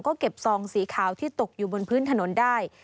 ก็เก็บซองสีขาวที่ตกอยู่บนพื้นถนนได้